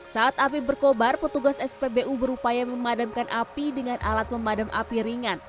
saat api berkobar petugas spbu berupaya memadamkan api dengan alat memadam api ringan